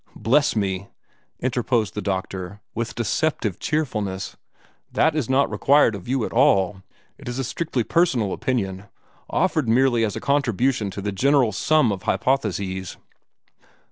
"Bless me!" interposed the doctor, with deceptive cheerfulness, "that is not required of you at all. It is a strictly personal opinion, offered merely as a contribution to the general sum of hypotheses."